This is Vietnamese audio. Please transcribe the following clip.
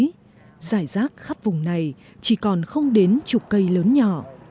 trong vùng bảy nội giải rác khắp vùng này chỉ còn không đến chục cây lớn nhỏ